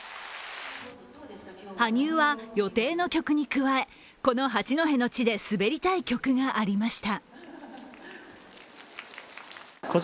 羽生は予定の曲に加えこの八戸の地で滑りたい曲がありました。